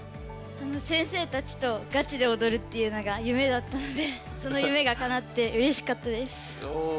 先生たちとガチでおどるっていうのが夢だったのでその夢がかなってうれしかったです。